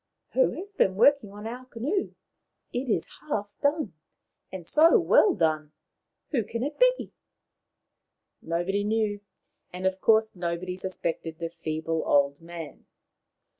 " Who has been working at our canoe ? It is half done. And so well done ! Who can it be ?" Nobody knew, and of course nobody suspected the feeble old man.